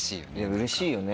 うれしいよね。